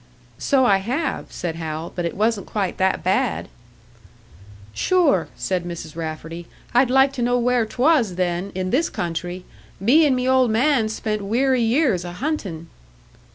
"So I have," said Hal. "But it wasn't quite that bad." "Sure," said Mrs. Rafferty, "I'd like to know where 'twas then in this country. Me and me old man spent weary years a huntin'."